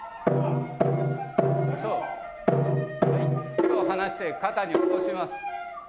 手を離して肩に落とします。